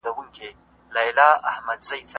د ښځو ټولنپوهنه د هغوی حقونه څېړي.